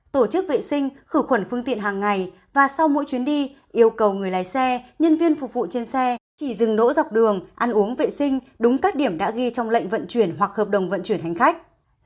tổ chức vệ sinh khử khuẩn phương tiện hàng ngày và sau mỗi chuyến đi yêu cầu người lái xe nhân viên phục vụ trên xe chỉ dừng đỗ dọc đường ăn uống vệ sinh đúng các điểm đã ghi trong lệnh vận chuyển hoặc hợp đồng vận chuyển hành khách